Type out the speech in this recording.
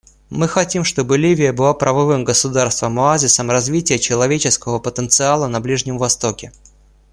Мы хотим, чтобы Ливия была правовым государством, оазисом развития человеческого потенциала на Ближнем Востоке.